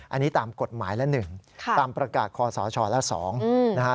อันนี้ตามกฎหมายละ๑ตามประกาศความสงบแห่งชาติและ๒